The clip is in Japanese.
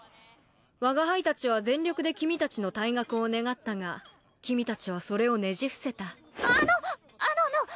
我が輩達は全力で君達の退学を願ったが君達はそれをねじ伏せたあのあのあの！